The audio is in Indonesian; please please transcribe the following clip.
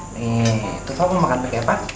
nih tufa mau makan pakai apa